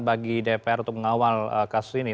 bagi dpr untuk mengawal kasus ini